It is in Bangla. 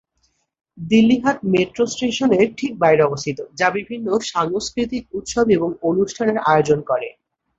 দিল্লি হাট মেট্রো স্টেশনটির ঠিক বাইরে অবস্থিত, যা বিভিন্ন সাংস্কৃতিক উৎসব এবং অনুষ্ঠানের আয়োজন করে।